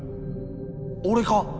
俺か？